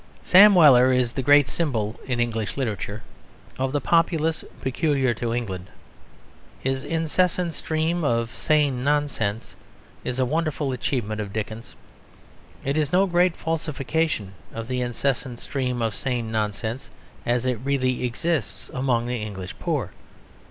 Sam Weller is the great symbol in English literature of the populace peculiar to England. His incessant stream of sane nonsense is a wonderful achievement of Dickens: but it is no great falsification of the incessant stream of sane nonsense as it really exists among the English poor.